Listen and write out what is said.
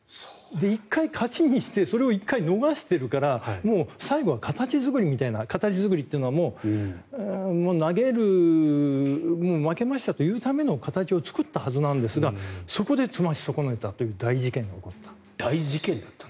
１回勝ちにしてそれを１回逃してるから最後は形作りみたいな形作りっていうのは負けましたというための形を作ったはずなんですがそこで詰ませ損ねたという大事件が起こった。